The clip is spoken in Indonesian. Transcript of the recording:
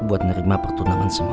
buat nerima pertunangan semua